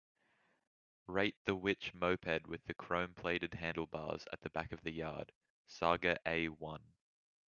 rate the Which Moped with Chrome-plated Handlebars at the Back of the Yard? saga a one